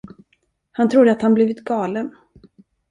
Han trodde, att han blivit galen.